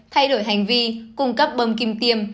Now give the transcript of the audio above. thay đổi hành vi cung cấp bông kim tiêm